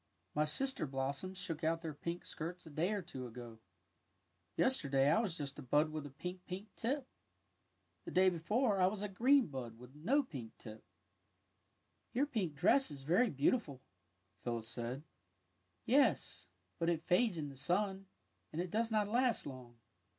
My sister blossoms shook out their pink skirts a day or two ago. Yester day I was just a bud with a pink, pink tip. The day before that I was a green bud with no pink tip.'' '' Your pink dress is very beautiful," Phyl lis said. ^' Yes, but it fades in the sun, and it does not last long.